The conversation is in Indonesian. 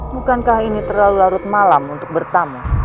bukankah ini terlalu larut malam untuk bertamu